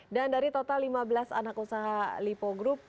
dan dari total lima belas anak usaha lipo group